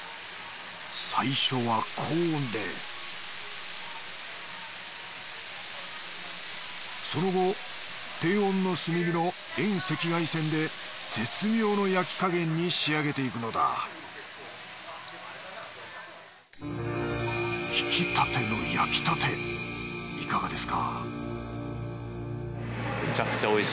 最初は高温でその後低温の炭火の遠赤外線で絶妙の焼き加減に仕上げていくのだ挽きたての焼きたていかがですか？